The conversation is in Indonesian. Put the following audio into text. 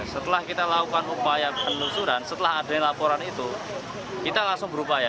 setelah kita lakukan upaya penelusuran setelah adanya laporan itu kita langsung berupaya